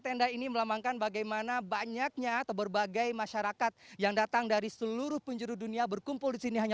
anda datang dengan keluarga anda di sini menunggu eklipsi nanti